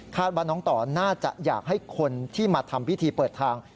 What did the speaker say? ว่าน้องต่อน่าจะอยากให้คนที่มาทำพิธีเปิดทาง